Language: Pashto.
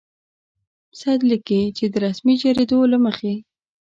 سید لیکي چې د رسمي جریدو له مخې.